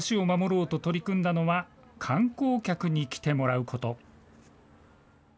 地域の足を守ろうと取り組んだのは、観光客に来てもらうこと。